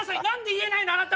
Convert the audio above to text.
何で言えないの？